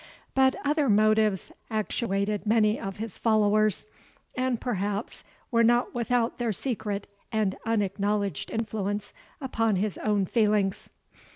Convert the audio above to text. But other motives actuated many of his followers, and perhaps were not without their secret and unacknowledged influence upon his own feelings.